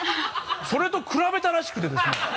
それと比べたらしくてですね。